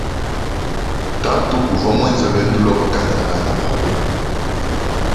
Tatu uvwa mwenza lwendu lwa kutangila bana babo.